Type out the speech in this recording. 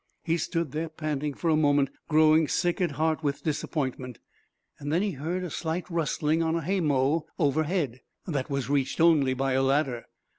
He stood there, panting, for a moment, growing sick at heart with disappointment. Then he heard a slight rustling on a haymow overhead, that was reached only by a ladder.